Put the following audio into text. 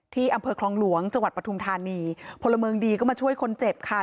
อำเภอคลองหลวงจังหวัดปทุมธานีพลเมืองดีก็มาช่วยคนเจ็บค่ะ